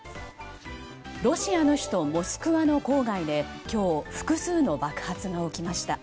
ロシアの首都モスクワの郊外で今日今日、複数の爆発が起きました。